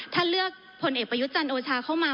ถ้าเลือกคนเอกประยุจรรย์โอชาเข้ามา